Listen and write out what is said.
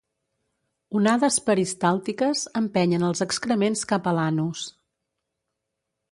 Onades peristàltiques empenyen els excrements cap a l'anus.